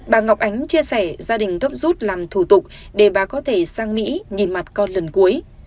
bà ngọc ánh chia sẻ gia đình gấp rút làm thủ tục để bà có thể sang mỹ nhìn mặt con lần cuối